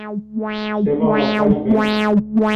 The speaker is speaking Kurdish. Şeva we xweş be.